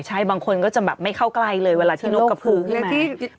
ใช่บางคนก็จะแบบไม่เข้าใกล้เลยเวลาที่นกกระพือขึ้นมา